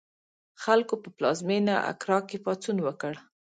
خلکو په پلازمېنه اکرا کې پاڅون وکړ.